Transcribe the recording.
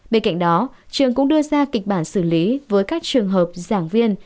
bên cạnh đó trường cũng đưa ra kịch bản xử lý với các trường hợp giảng viên